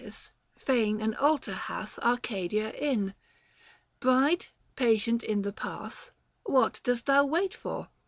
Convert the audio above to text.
Faunus Lycseus, fane and altar hath 440 Arcadia in. Bride, patient in the path, What dost thou wait for